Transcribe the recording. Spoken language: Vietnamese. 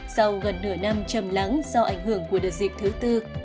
sau gần nửa năm chầm lắng do ảnh hưởng của đợt dịch thứ tư